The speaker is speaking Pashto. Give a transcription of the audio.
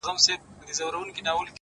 • هر غلام او هر مریی ورته بادار سي ,